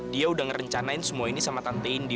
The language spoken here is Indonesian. dia udah ngerencanain semua ini sama tante indi